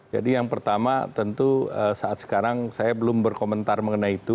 jadi yang pertama tentu saat sekarang saya belum berkomentar mengenai itu